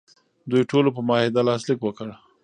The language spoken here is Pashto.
دوی ټولو په معاهده لاسلیک وکړ.